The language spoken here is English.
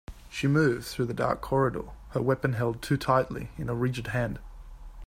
She moved through the dark corridor, her weapon held too tightly in a rigid hand.